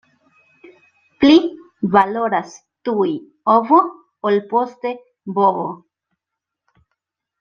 Pli valoras tuj ovo, ol poste bovo.